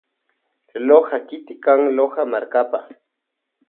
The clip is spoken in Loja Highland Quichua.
Loja kiti kan Loja markapa.